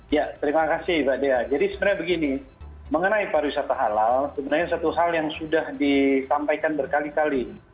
ya terima kasih mbak dea jadi sebenarnya begini mengenai pariwisata halal sebenarnya satu hal yang sudah disampaikan berkali kali